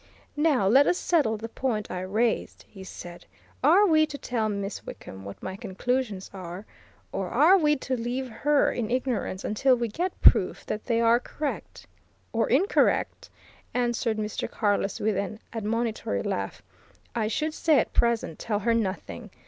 "Now let us settle the point I raised," he said. "Are we to tell Miss Wickham what my conclusions are, or are we to leave her in ignorance until we get proof that they are correct?" "Or incorrect!" answered Mr. Carless with an admonitory laugh. "I should say at present, tell her nothing.